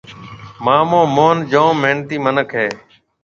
مآمو موهن جوم محنتِي مِنک هيَ۔